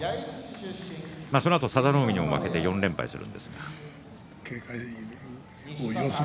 そのあと佐田の海にも負けて４連敗でした。